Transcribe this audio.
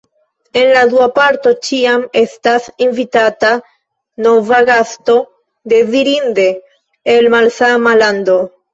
En la dua parto ĉiam estas invitata nova gasto, dezirinde el malsama lando.